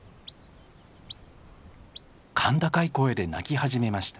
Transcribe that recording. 甲高い声で鳴き始めました。